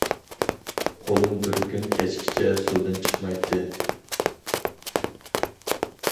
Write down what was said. قولۇم بىر كۈن كەچكىچە سۇدىن چىقمايتتى.